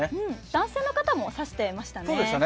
男性の方も差してましたね。